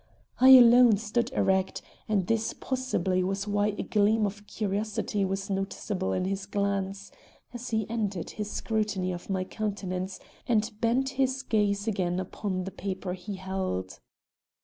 I alone stood erect, and this possibly was why a gleam of curiosity was noticeable in his glance, as he ended his scrutiny of my countenance and bent his gaze again upon the paper he held.